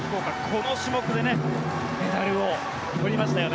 この種目でメダルをとりましたよね。